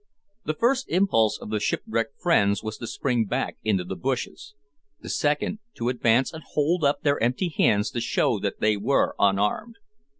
The first impulse of the shipwrecked friends was to spring back into the bushes the second to advance and hold up their empty hands to show that they were unarmed.